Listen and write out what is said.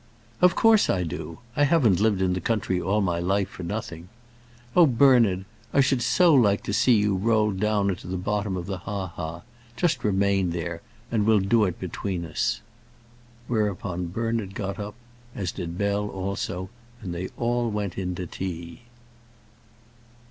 "Of course I do. I haven't lived in the country all my life for nothing. Oh, Bernard, I should so like to see you rolled down into the bottom of the ha ha. Just remain there, and we'll do it between us." Whereupon Bernard got up, as did Bell also, and they all went in to tea.